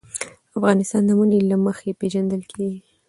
افغانستان د منی له مخې پېژندل کېږي.